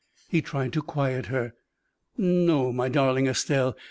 He tried to quiet her. "No, my darling Estelle.